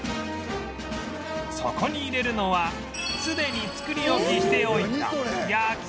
そこに入れるのはすでに作り置きしておいた焼きそば